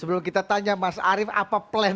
sebelum kita tanya mas arief apa plan